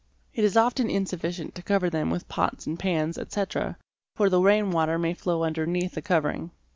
It is often insufficient to cover them with pots and pans, etc., for the rain water may flow underneath the covering.